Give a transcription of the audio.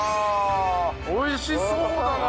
美味しそうだな！